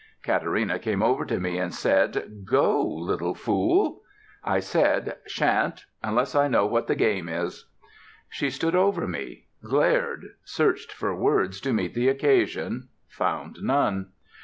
Katarina came over to me, and said: "Go, little fool!" I said: "Shan't unless I know what the game is." She stood over me; glared; searched for words to meet the occasion; found none.